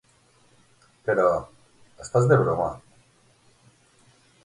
Però, estàs de broma.